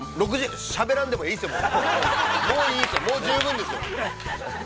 ◆しゃべらんでもいいですよ。